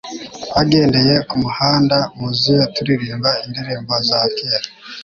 Twagendeye kumuhanda wuzuye turirimba indirimbo za kera